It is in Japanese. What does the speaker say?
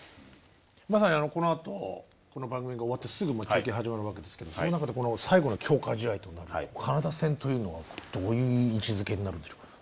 まさにこのあとこの番組が終わってすぐもう中継始まるわけですけどその中で最後の強化試合となるカナダ戦というのはどういう位置づけになるんでしょうか？